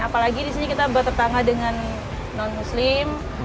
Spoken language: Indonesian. apalagi di sini kita bertetangga dengan non muslim